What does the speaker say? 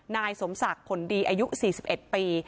นายสมศักดิ์ผลดีอายุ๔๑ปี